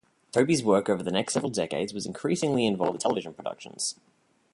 Tobey's work over the next several decades was increasingly involved in television productions.